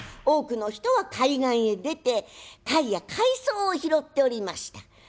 多くの人は海岸へ出て貝や海藻を拾っておりました。